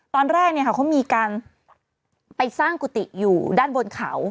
ตอนแรกเขามีการไปสร้างกุฏิอยู่ด้านบนเขา